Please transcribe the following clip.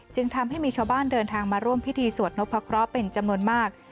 จึงทำให้มีชาวบ้านเดินทางมาร่วมพิธีสวดนพะเคราะห์เป็นจำนวนมาก